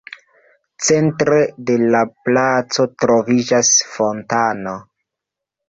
Centre de la placo troviĝas fontano.